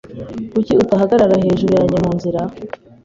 Kuki utahagarara hejuru yanjye munzira?